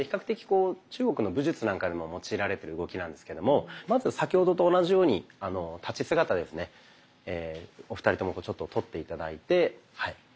的中国の武術なんかでも用いられてる動きなんですけどもまず先ほどと同じように立ち姿ですねお二人ともとって頂いてはい。